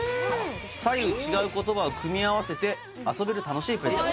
左右違う言葉を組み合わせて遊べる楽しいプレゼント